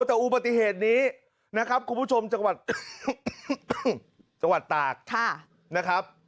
แต่อุบัติเหตุนี้นะครับคุณผู้ชมจังหวัดตากนะครับ